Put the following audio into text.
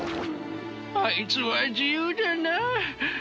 あいつは自由だなあ。